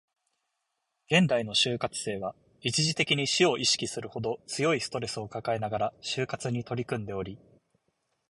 現代の就活生は、一時的に死を意識するほど強いストレスを抱えながら就活に取り組んでおり